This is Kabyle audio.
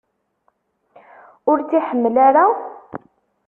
Ur tt-iḥemmel ara?